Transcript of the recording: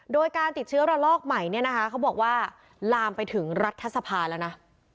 โดยการติดเชื้อรลลอกใหม่เขาบอกว่าลามไปถึงรัฐทธรรพาแล้วนะ